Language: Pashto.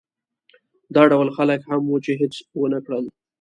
دا ډول خلک هم وو چې هېڅ ونه کړل.